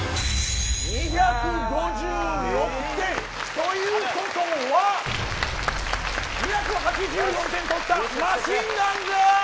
ということは２８４点取ったマシンガンズ。